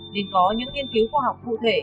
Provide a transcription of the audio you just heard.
nên có những nghiên cứu khoa học cụ thể